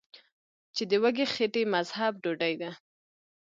چې د وږې خېټې مذهب ډوډۍ ده ـ